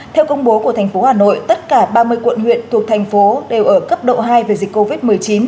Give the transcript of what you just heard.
theo công bố của thành phố hà nội tất cả ba mươi quận huyện thuộc thành phố đều ở cấp độ hai về dịch covid một mươi chín